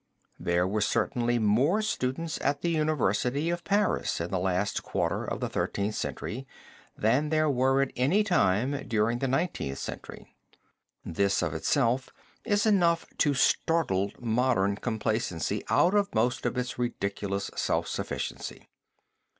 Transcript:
There were certainly more students at the University of Paris in the last quarter of the Thirteenth Century than there were at any time during the Nineteenth Century. This of itself is enough to startle modern complacency out of most of its ridiculous self sufficiency.